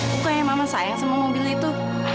bukannya mama sayang semua mobil itu